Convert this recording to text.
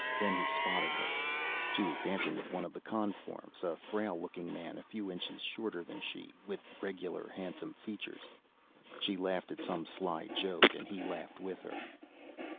Then he spotted her. She was dancing with one of the Conforms, a frail looking man a few inches shorter than she, with regular, handsome features. She laughed at some sly joke, and he laughed with her.